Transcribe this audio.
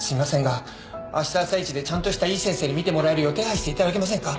があした朝一でちゃんとしたいい先生に診てもらえるよう手配していただけませんか？